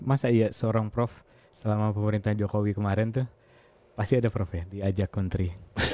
masa seorang prof selama pemerintahan jokowi kemarin tuh pasti ada prof ya diajak country